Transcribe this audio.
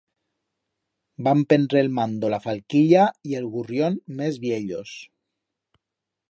Van penre el mando la falquilla y el gurrión mes viellos.